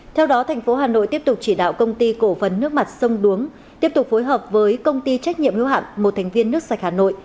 theo đó thành phố hà nội tiếp tục chỉ đạo công ty cổ phần nước mặt sông đuống tiếp tục phối hợp với công ty trách nhiệm hiếu hạn một thành viên nước sạch hà nội